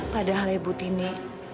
padahal ibu tini